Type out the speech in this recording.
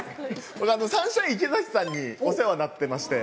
サンシャイン池崎さんにお世話になってまして。